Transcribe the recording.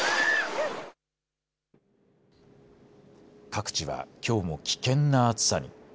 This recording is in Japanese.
各地はきょうも危険な暑さに。